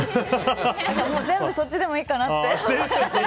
全部そっちでもいいかなって。